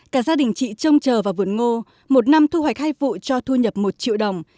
cả gia đình chị trông chờ vào vườn ngô một năm thu hoạch hai vụ cho thu nhập một triệu đồng